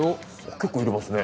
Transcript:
結構入れますね。